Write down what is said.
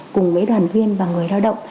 cùng với đoàn viên và người lao động